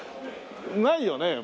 ないよね？